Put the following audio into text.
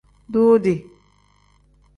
Duudi.